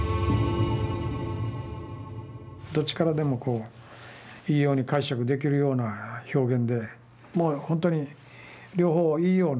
どっちからでもこういいように解釈できるような表現でもう本当に両方いいようなね